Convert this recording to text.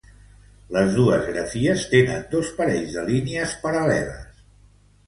Les dos grafies tenen dos parells de línies paral·leles.